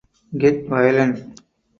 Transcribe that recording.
Get violent.